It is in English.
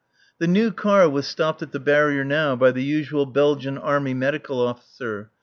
The new car was stopped at the barrier now by the usual Belgian Army Medical Officer.